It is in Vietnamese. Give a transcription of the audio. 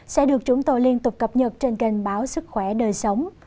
sẽ được chúng tôi liên tục cập nhật trên kênh báo sức khỏe đời sống